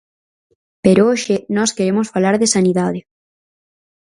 Pero hoxe nós queremos falar de sanidade.